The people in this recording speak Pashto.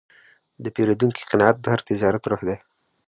د پیرودونکي قناعت د هر تجارت روح دی.